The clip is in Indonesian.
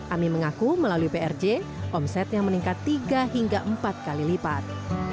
ami mengaku melalui prj omsetnya meningkat tiga hingga empat kali lipat